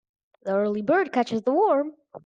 The early bird catches the worm.